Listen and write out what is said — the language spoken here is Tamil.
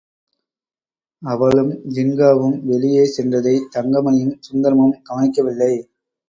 அவளும் ஜின்காவும் வெளியே சென்றதைத் தங்கமணியும், சுந்தரமும் கவனிக்கவில்லை.